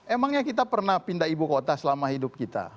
emangnya kita pernah pindah ibukota selama hidup kita